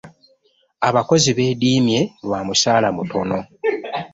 Abakozi beediimye lwa musaala mutono.